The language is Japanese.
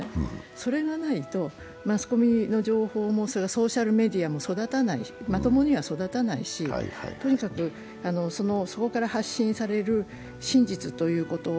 それがないと、マスコミの情報もソーシャルメディアもまともには育たないし、そこから発信される真実ということを